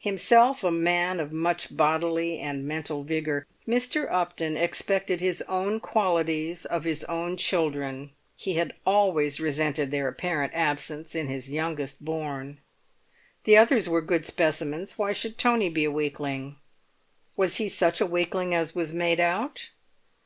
Himself a man of much bodily and mental vigour, Mr. Upton expected his own qualities of his own children; he had always resented their apparent absence in his youngest born. The others were good specimens; why should Tony be a weakling? Was he such a weakling as was made out?